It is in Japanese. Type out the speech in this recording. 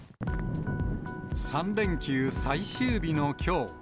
３連休最終日のきょう。